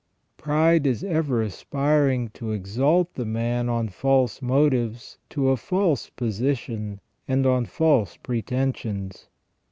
Pride is ever aspiring to exalt the man on false motives, to a false position, and on false pretensions.